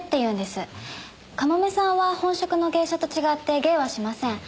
かもめさんは本職の芸者と違って芸はしません。